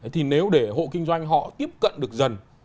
thì nếu để hộ kinh doanh họ tiếp cận được dần